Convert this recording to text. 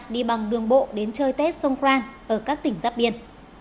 đi bằng đường bộ đến chơi tết songkran ở các tỉnh giáp biển